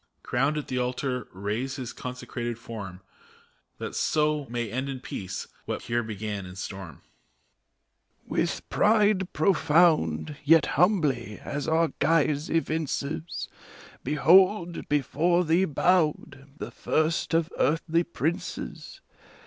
Crowned, at the altar raise his consecrated form, That so may end in peace what here began in storm! ARCH CHANCELLOR. With pride profound, yet humbly, as our guise evinces, Behold, before thee bowed, the first of earthly princes